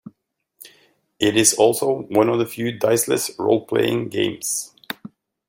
It is also one of a few diceless role-playing games.